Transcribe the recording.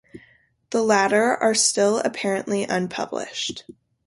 The latter are still apparently unpublished.